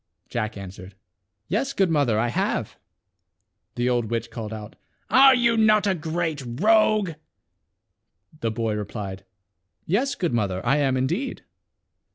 Jack answered, "Yes, good mother, I have." The old witch called out, " Are you not a great rogue?" The boy replied, "Yes, good mother, I am, indeed."